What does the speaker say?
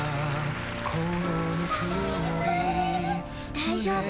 大丈夫。